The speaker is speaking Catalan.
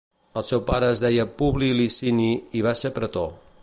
El seu pare es deia Publi Licini, i va ser pretor.